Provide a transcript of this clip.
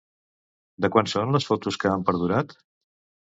De quan són les fotos que han perdurat?